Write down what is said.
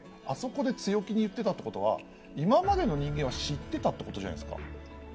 あそこで強気に言ってたってことは今までの人間は知ってたってことじゃないですか。